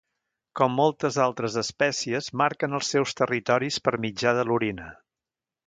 Com moltes altres espècies, marquen els seus territoris per mitjà de l'orina.